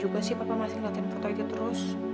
kenapa kamu masih melihat foto itu